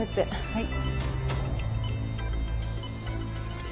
はい。